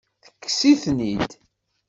Tekkes-iten-id?